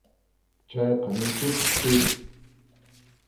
Chayqa nisyutaq chiri.